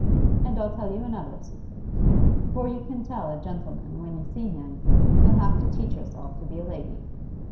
And I'll tell you another secret. Before you can tell a gentleman when you see him, you'll have to teach yourself to be a lady.